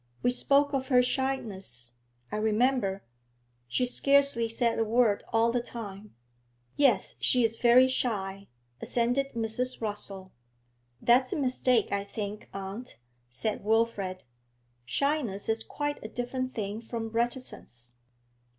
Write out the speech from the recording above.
We spoke of her shyness, I remember; she scarcely said a word all the time.' 'Yes, she is very shy,' assented Mrs. Rossall. 'That's a mistake, I think, aunt,' said Wilfrid; 'shyness is quite a different thing from reticence.'